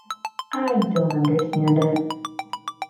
I don't understand it.